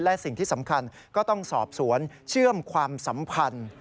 และสิ่งที่สำคัญก็ต้องสอบสวนเชื่อมความสัมพันธ์